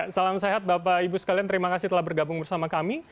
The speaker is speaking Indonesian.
salam sehat bapak ibu sekalian terima kasih telah bergabung bersama kami